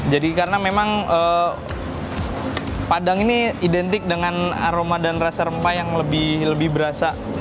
jadi karena memang padang ini identik dengan aroma dan rasa rempah yang lebih berasa